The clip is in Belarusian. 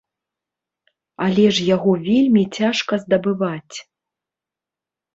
Але ж яго вельмі цяжка здабываць.